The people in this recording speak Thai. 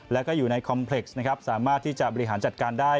แล้วก็อยู่ในคอมเพล็กซ์นะครับสามารถที่จะบริหารจัดการได้